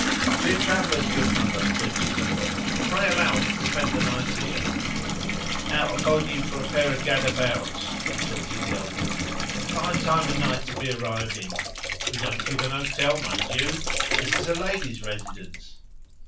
"We are travellers, good mother," said Chichikov. "Pray allow us to spend the night here." "Out upon you for a pair of gadabouts!" retorted the old woman. "A fine time of night to be arriving! We don't keep an hotel, mind you. This is a lady's residence."